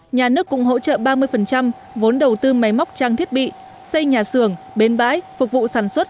nhà nước cũng hỗ trợ ba mươi vốn đầu tư máy móc trang thiết bị xây nhà xưởng bến bãi phục vụ sản xuất